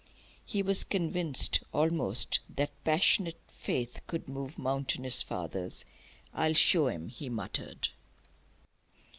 He was convinced, almost, that passionate faith could move mountainous fathers. "I'll show 'em!" he muttered.